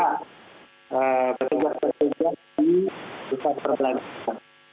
serta petugas petugas di pusat perbelanjaan